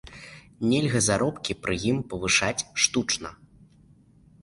Нельга заробкі пры ім павышаць штучна.